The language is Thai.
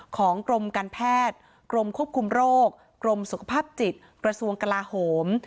ของกรมการแพทย์กรมควบคุมโรคกรมสุขภาพจิตกระทรวงกลาโหม